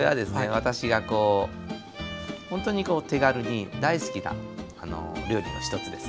私がこうほんとにこう手軽に大好きな料理の一つです。